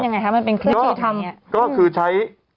แล้วมันเป็นยังไงครับมันเป็นเครื่องที่ทำ